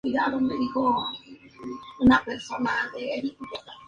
Apuntes Históricos.